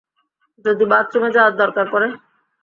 যদি বাথরুমে যাওয়ার দরকার পড়ে?